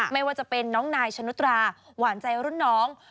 ไม่ว่าจะเป็นน้องนายชนุตราหวานใจรุ่นน้อง